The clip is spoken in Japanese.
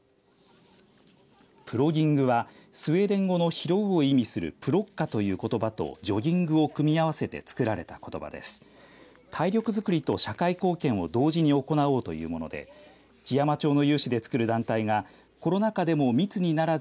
プロギングはスウェーデン語の拾うを意味するプロッカという言葉とジョギングを組み合わせて作られたものです。